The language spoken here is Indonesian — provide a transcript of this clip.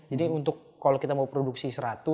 jadi untuk kalau kita mau produksi seratus